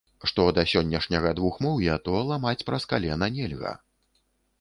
Што да сённяшняга двухмоўя, то ламаць праз калена нельга.